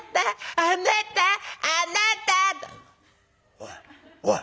「おいおい。